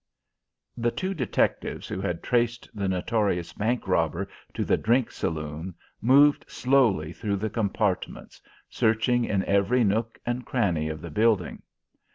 The two detectives who had traced the notorious bank robber to the drink saloon moved slowly through the compartments, searching in every nook and cranny of the building.